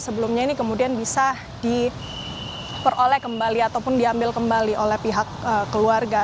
sebelumnya ini kemudian bisa diperoleh kembali ataupun diambil kembali oleh pihak keluarga